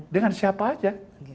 dengan siapa saja